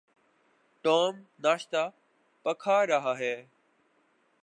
Tom ناشتہ پکھا رہا ہے۔